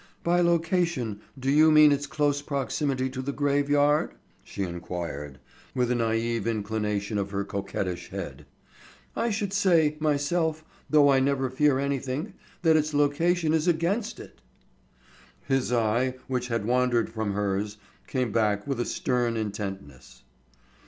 "By location do you mean its close proximity to the graveyard?" she inquired, with a naïve inclination of her coquettish head. "I should say, myself, though I never fear anything, that its location is against it." His eye, which had wandered from hers, came back with a stern intentness.